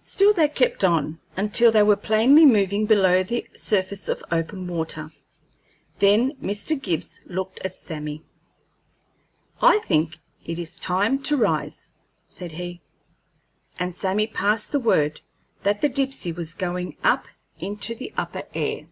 Still they kept on, until they were plainly moving below the surface of open water. Then Mr. Gibbs looked at Sammy. "I think it is time to rise," said he; and Sammy passed the word that the Dipsey was going up into the upper air.